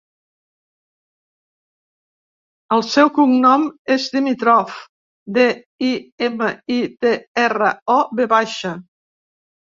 El seu cognom és Dimitrov: de, i, ema, i, te, erra, o, ve baixa.